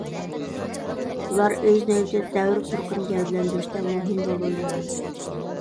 بۇلار ئۆز نۆۋىتىدە دەۋر پۇرىقىنى گەۋدىلەندۈرۈشتە مۇھىم رول ئوينىغان.